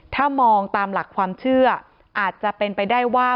ถ้ามองตามหลักความเชื่ออาจจะเป็นไปได้ว่า